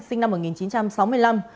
sinh năm một nghìn chín trăm sáu mươi năm